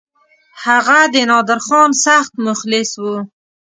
هغه د نادرخان سخت مخلص وو.